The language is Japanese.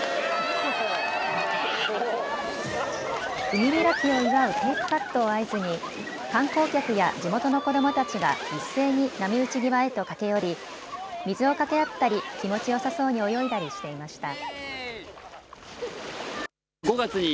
海開きを祝うテープカットを合図に観光客や地元の子どもたちが一斉に波打ち際へと駆け寄り水をかけ合ったり気持ちよさそうに泳いだりしていました。